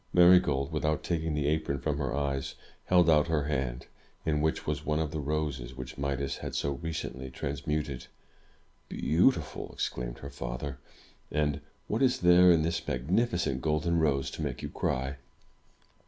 Marygold, without taking the apron from her eyes, held out her hand, in which was one of the roses which Midas had so recently transmuted. "Beautiful!" exclaimed her father. "And what is there in this magnificent golden rose to make you cry?"